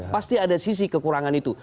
pasti ada sisi kekurangan itu